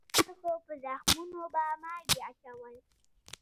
د خلکو په زخمونو به مالګې اچول.